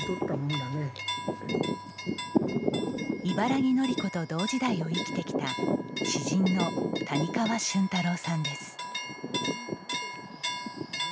茨木のり子と同時代を生きてきた詩人の谷川俊太郎さんです。